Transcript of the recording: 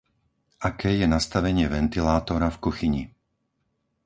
Aké je nastavenie ventilátora v kuchyni?